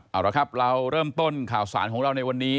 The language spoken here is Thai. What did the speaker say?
เอาละครับเราเริ่มต้นข่าวสารของเราในวันนี้